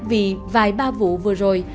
vì vài ba vụ vừa rồi